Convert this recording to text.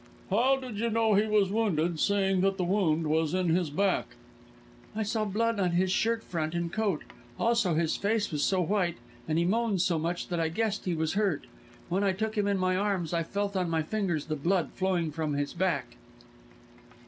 "How did you know he was wounded, seeing that the wound was in his back?" "I saw blood on his shirt front and coat. Also, his face was so white and he moaned so much that I guessed he was hurt. When I took him in my arms I felt on my fingers the blood flowing from his back."